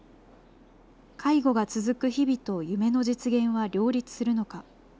介護が続く日々と夢の実現は両立するのか。